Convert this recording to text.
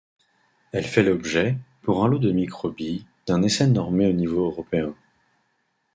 Elle fait l’objet, pour un lot de microbilles, d’un essai normé au niveau européen.